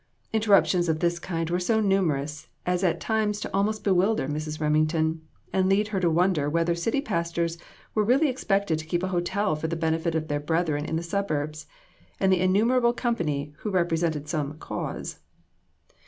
Interruptions of this kind were so numerous as at times to almost bewilder Mrs. Remington, and lead her to wonder whether city pastors were really expected to keep a hotel for the benefit of their brethren in the suburbs, and the innumerable company who represented some "cause."